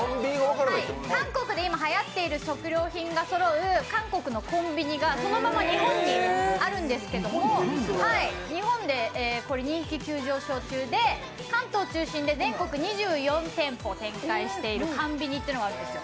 韓国で今、はやっている食料品がそろう韓国のコンビニがそのまま日本にあるんですけども日本で人気急上昇中で、関東中心で全国２４店舗展開している韓ビニっていうのがあるんですよ。